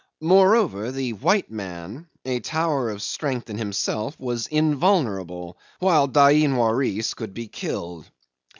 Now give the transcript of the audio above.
Moreover, the white man, a tower of strength in himself, was invulnerable, while Dain Waris could be killed.